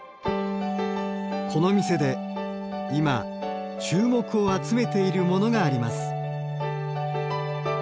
この店で今注目を集めているモノがあります。